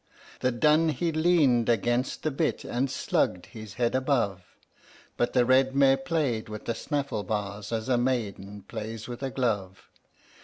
The dun he leaned against the bit and slugged his head above, But the red mare played with the snaffle bars, as a maiden plays with a glove.